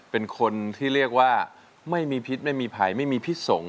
เป็นคนที่เรียกว่าไม่มีพิษไม่มีภัยไม่มีพิษสงฆ